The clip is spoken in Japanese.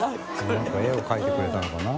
何か絵を描いてくれたのかな？